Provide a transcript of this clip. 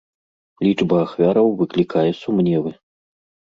Лічба ахвяраў выклікае сумневы.